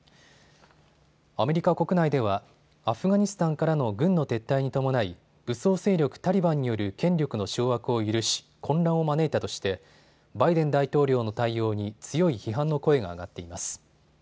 アメリカ国内ではアフガニスタンからの軍の撤退に伴い武装勢力タリバンによる権力の掌握を許し、混乱を招いたとしてバイデン大統領の対応に強い批判の声が上がっています。